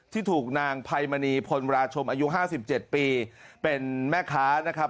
ที่ถูกนางไพมณีพลราชมอายุ๕๗ปีเป็นแม่ค้านะครับ